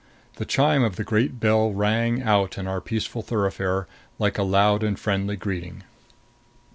The chime of the great bell rang out in our peaceful thoroughfare like a loud and friendly greeting.